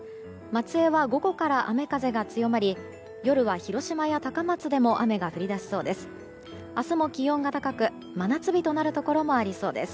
松江は午後から雨風が強まり夜は、広島や高松でも雨が降り出しそうです。